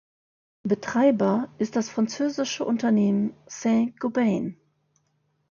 Betreiber ist das französische Unternehmen Saint-Gobain.